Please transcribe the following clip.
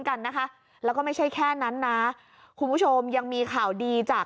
กันนะคะแล้วก็ไม่ใช่แค่นั้นนะคุณผู้ชมยังมีข่าวดีจาก